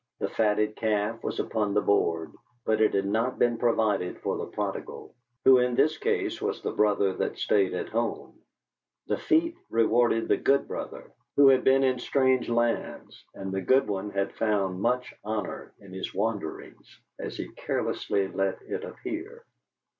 The fatted calf was upon the board, but it had not been provided for the prodigal, who, in this case, was the brother that stayed at home: the fete rewarded the good brother, who had been in strange lands, and the good one had found much honor in his wanderings, as he carelessly let it appear.